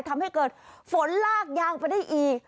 ทำให้เกิดฝนลากยางไปได้อีก